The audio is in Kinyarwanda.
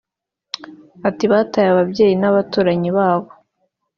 Ati"Bataye ababyeyi n’abaturanyi babo